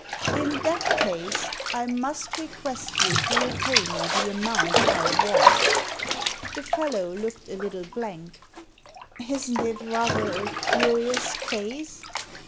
" In that case I must request you to repay me the amount I won !" The fellow looked a little blank. " Isn't it rather a curious case